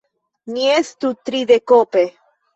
Ni estu tridekope.